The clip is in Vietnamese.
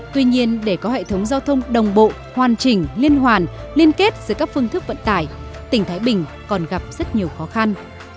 tuy nhiên để có hệ thống giao thông đồng bộ hoàn chỉnh liên hoàn liên kết giữa các phương thức vận tải tỉnh thái bình còn gặp rất nhiều khó khăn